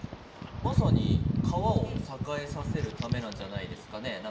まさに川を栄えさせるためなんじゃないですかね。